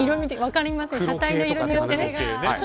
車体の色によって。